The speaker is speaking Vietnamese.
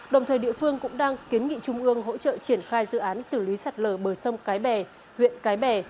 đồng thời địa phương cũng đang kiến nghị trung ương hỗ trợ triển khai dự án xử lý sạt lở bờ sông cái bè huyện cái bè